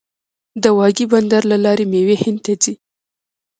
د واګې بندر له لارې میوې هند ته ځي.